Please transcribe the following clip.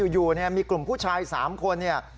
อยู่เนี่ยมีกลุ่มผู้ชาย๓คนเนี่ย